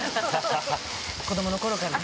子供の頃からね。